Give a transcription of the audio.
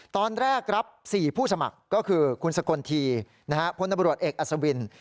ตอนแรกรับ๔ผู้สมัครก็คือคุณสกลทีพลตำรวจเอกอัศวิน